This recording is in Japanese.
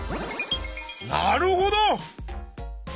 なるほど！